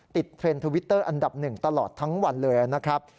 เทรนด์ทวิตเตอร์อันดับหนึ่งตลอดทั้งวันเลยนะครับ